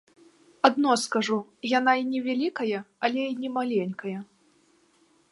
Адно скажу, яна і не вялікая, але і не маленькая.